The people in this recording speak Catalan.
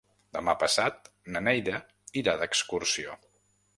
Demà passat na Neida irà d'excursió.